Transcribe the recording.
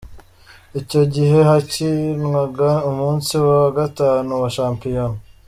Icyo gihe hakinwaga umunsi wa gatanu wa shampiyona.